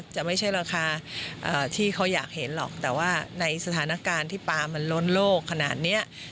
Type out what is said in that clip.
จะไม่ใช่ราคาที่เขาอยากเห็นหรอกแต่ว่าในสถานการณ์ที่ปลามันล้นโลกขนาดนี้